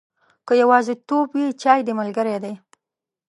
که یوازیتوب وي، چای دې ملګری دی.